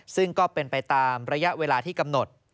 ซึ่งก็เป็นไปตามระยะเวลาที่กำหนด